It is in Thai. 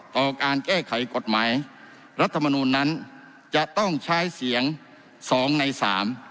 ต่อการแก้ไขกฎหมายรัฐมนูลนั้นจะต้องใช้เสียงสองในสาม